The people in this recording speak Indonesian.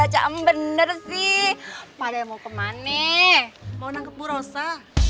ya ya kasa bener bener sih pada mau kemanee mau nangkep bu rosa